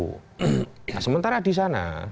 nah sementara di sana